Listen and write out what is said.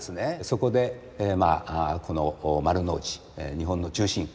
そこでこの丸の内日本の中心